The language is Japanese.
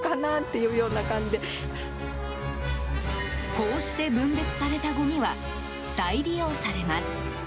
こうして分別されたごみは再利用されます。